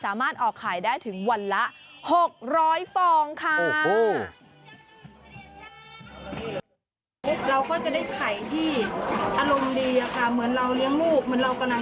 ถ้าแม่ไก่ได้ฟังเพลงไข่ก็จะอารมณ์ดี